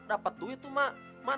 dapat duit emak